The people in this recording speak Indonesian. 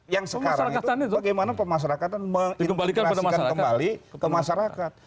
yang sekarang itu bagaimana pemasarakatan mengimplikasikan kembali ke masyarakat